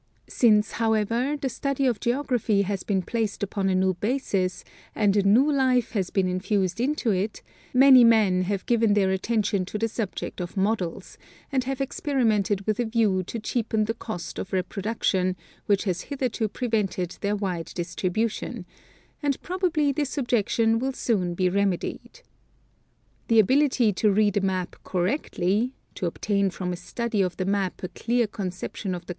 Since, however, the stiidy of geography has been placed upon a new basis and a new life has been infused into it, many men have given their attention to the subject of models, and have experimented with a view to cheapen the cost of reproduction, which has hitherto prevented their wide distribution; and prob ably this objection will soon be remedied. The ability to read a map correctly, — to obtain from a study of the map a clear con ception of the cou.